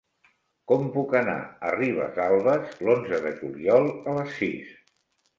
Com puc anar a Ribesalbes l'onze de juliol a les sis?